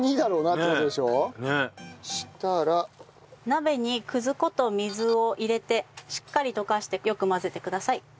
鍋に葛粉と水を入れてしっかり溶かしてよく混ぜてください。